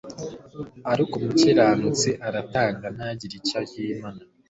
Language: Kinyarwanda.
ariko umukiranutsi aratanga ntagire icyo yimana